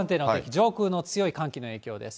上空の強い寒気の影響です。